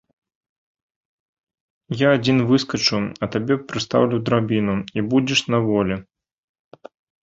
Я адзін выскачу, а табе прыстаўлю драбіну, і будзеш на волі.